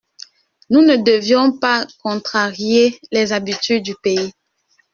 Nous ne devions pas contrarier les habitudes du pays.